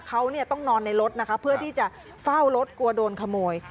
เขาต้องนอนในรถนะคะเพื่อที่จะเฝ้ารถกลัวโดนขโมย